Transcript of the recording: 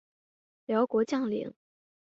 辽国将领。